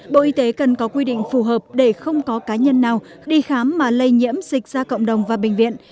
bộ y tế cần có quy định phù hợp để không có cá nhân nào đi khám mà lây nhiễm dịch ra cộng đồng và bệnh viện